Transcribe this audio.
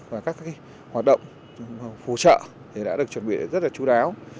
và các hoạt động phù trợ thì đã được chuẩn bị rất là chú đáo